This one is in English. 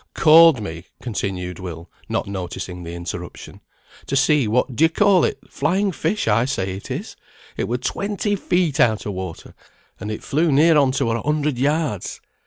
"Called me," continued Will, not noticing the interruption, "to see the what d'ye call it flying fish I say it is. It were twenty feet out o' water, and it flew near on to a hundred yards.